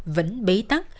vẫn bấy tắc